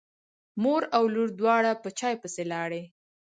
مور او لور دواړه په چای پسې لاړې.